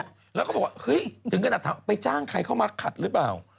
แล้วก็บอกว่าเฮ้ยถึงขนาดถามไปจ้างใครเข้ามาขัดหรือเปล่า